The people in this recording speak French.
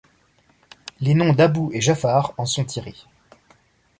Les noms d'Abu et Jafar en sont tirés.